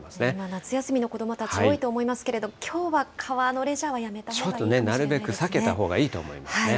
夏休みの子どもたち、多いと思いますけれども、きょうは川のレジャーはやめたほうがいいかもしれないですね。